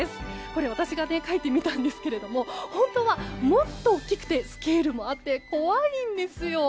これ、私が描いてみたんですけど本当はもっと大きくてスケールもあって怖いんですよ。